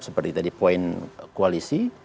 seperti tadi poin koalisi